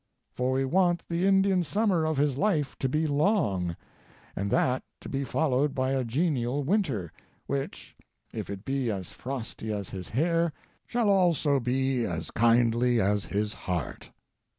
For we want the Indian Summer of his life to be long, and that to be followed by a genial Winter, which if it be as frosty as his hair, shall also be as kindly as his heart.